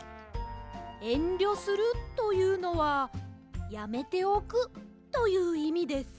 「えんりょする」というのは「やめておく」といういみです。